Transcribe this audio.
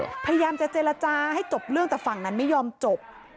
พยายามจะเจรจาให้จบเรื่องแต่ฝั่งนั้นไม่ยอมจบ